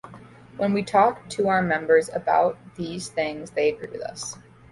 When we talk to our members about out these things they agree with us.